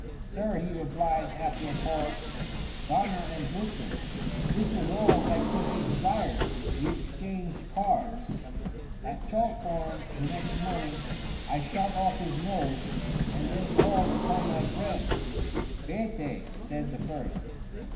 "Sir," he replied, after a pause, "Donner und Blitzen!" This was all that could be desired. We exchanged cards. At Chalk Farm, the next morning, I shot off his nose—and then called upon my friends. "Bête!" said the first.